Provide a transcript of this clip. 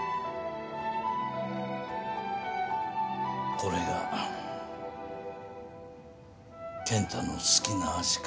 これが健太の好きな味か。